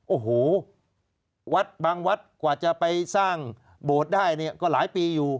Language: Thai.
โอ้โหบางวัดกว่าจะไปสร้างบดได้ก็หลายปีอยู่